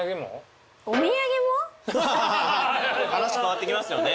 話変わってきますよね。